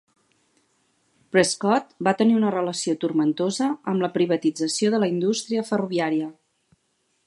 Prescott va tenir una relació turmentosa amb la privatització de la indústria ferroviària.